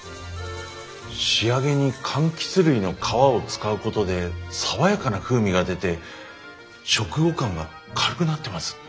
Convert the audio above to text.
仕上げにかんきつ類の皮を使うことで爽やかな風味が出て食後感が軽くなってます。